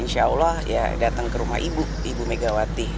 insya allah ya datang ke rumah ibu ibu megawati